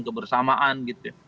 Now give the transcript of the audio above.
kebersamaan gitu ya